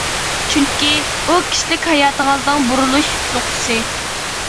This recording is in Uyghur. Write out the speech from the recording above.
چۈنكى، ئۇ كىشىلىك ھاياتىڭىزنىڭ بۇرۇلۇش نۇقتىسى.